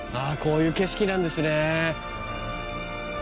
あこういう景色なんですね